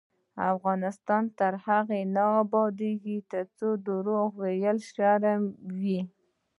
افغانستان تر هغو نه ابادیږي، ترڅو درواغ ویل شرم وي.